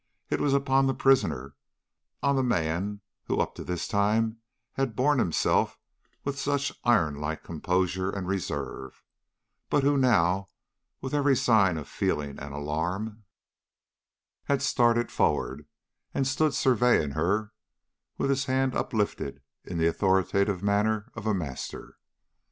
It was upon the prisoner, on the man who up to this time had borne himself with such iron like composure and reserve, but who now, with every sign of feeling and alarm, had started forward and stood surveying her, with his hand uplifted in the authoritative manner of a master.